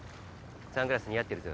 サングラス似合ってるぞ。